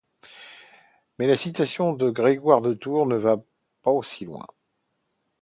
Mais la citation de Grégoire de Tours ne va pas aussi loin.